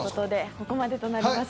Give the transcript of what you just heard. ここまでとなります。